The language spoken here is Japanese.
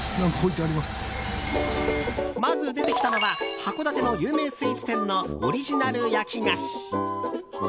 まず出てきたのは函館の有名スイーツ店のオリジナル焼き菓子。